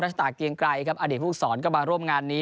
ชะตาเกียงไกรครับอดีตผู้สอนก็มาร่วมงานนี้